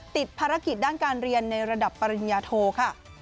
ติดภารกิจด้านการเรียนในระดับปริญญาโทค่ะ